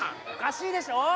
おかしいでしょ！